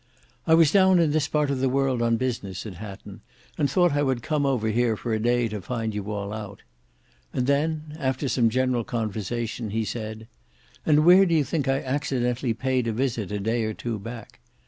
"I was down in this part of the world on business," said Hatton, "and thought I would come over here for a day to find you all out." And then after some general conversation he said "And where do you think I accidentally paid a visit a day or two back?